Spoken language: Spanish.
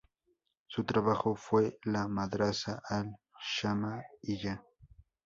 Su trabajo fue la madrasa al-Shammā'iyya.